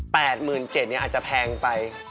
๘๗๐๐๐บาทนี่อาจจะแพงไป